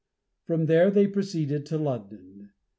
From there they proceeded to London.